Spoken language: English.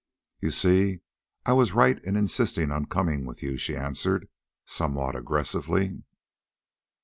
"You see I was right in insisting on coming with you," she answered somewhat aggressively.